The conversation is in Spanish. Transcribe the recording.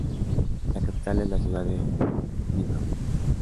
La capital es la ciudad de Dnipro.